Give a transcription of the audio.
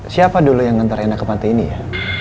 siapa dulu yang nantar ena ke pantai ini ya